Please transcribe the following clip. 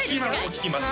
聴きます